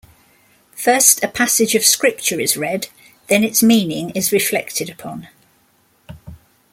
First a passage of Scripture is read, then its meaning is reflected upon.